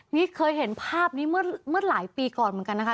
นี่เคยเห็นภาพนี้เมื่อหลายปีก่อนเหมือนกันนะคะ